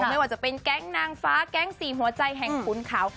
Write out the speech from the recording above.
ไม่ว่าจะเป็นแก๊งนางฟ้าแก๊งสี่หัวใจแห่งขุนเขา